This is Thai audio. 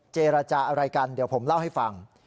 เจรจาอะไรกันเดี๋ยวผมเล่าให้ฟัง